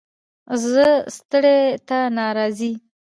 ـ زه ستړى ته ناراضي.